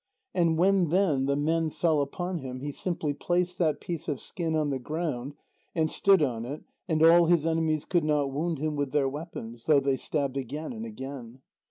And when then the men fell upon him, he simply placed that piece of skin on the ground and stood on it, and all his enemies could not wound him with their weapons, though they stabbed again and again.